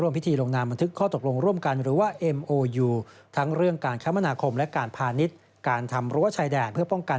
มีความสงบกว่านี้ก่อน